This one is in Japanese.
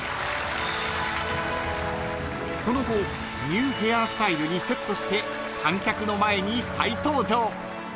［その後ニューヘアスタイルにセットして観客の前に再登場］